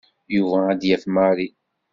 Yuba ad d-yaf Mary.